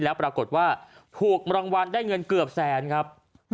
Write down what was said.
แล้วปรากฏว่าถูกรางวัลได้เงินเกือบแสนครับ